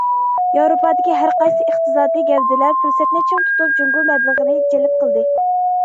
ياۋروپادىكى ھەر قايسى ئىقتىسادىي گەۋدىلەر پۇرسەتنى چىڭ تۇتۇپ جۇڭگو مەبلىغىنى جەلپ قىلدى.